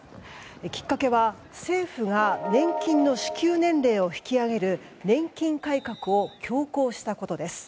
きっかけは、政府が年金の支給年齢を引き上げる年金改革を強行したことです。